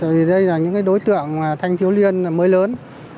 vì đây là những đối tượng thanh thiếu niên mới lớn